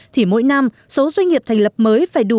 thì mỗi năm số doanh nghiệp thành lập mới phải đủ bù trừ